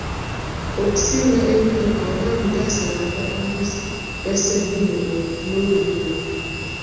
Okusinga enyo abaami baasalanga embuzi ya sseddume n’olubugo.